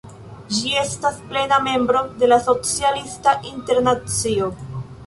Ĝi estas plena membro de la Socialista Internacio.